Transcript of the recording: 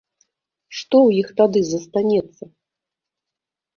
Што ў іх тады застанецца?